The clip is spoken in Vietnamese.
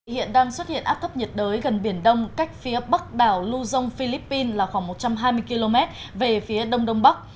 hiện đang xuất hiện áp thấp nhiệt đới gần biển đông cách phía bắc đảo luzon philippines là khoảng một trăm hai mươi km về phía đông đông bắc